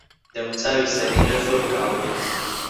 دەموچاوی سەمیرە زۆر کاڵ بوو.